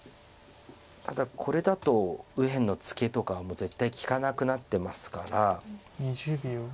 ただこれだと右辺のツケとかは絶対利かなくなってますから。